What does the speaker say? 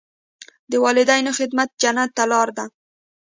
د والدینو خدمت جنت ته لاره ده.